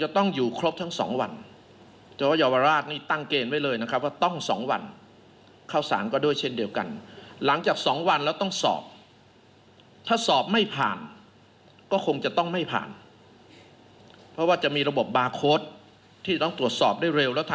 ถึงแนวทางในการกำจัดขยะด้วยนะคะ